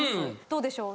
どうでしょう？